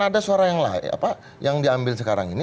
ada suara yang lain yang diambil sekarang ini